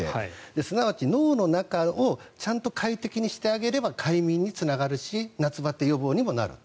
すなわち脳の中をちゃんと快適にしてあげれば快眠につながるし夏バテ予防にもなる。